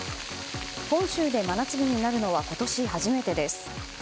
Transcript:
本州で真夏日になるのは今年初めてです。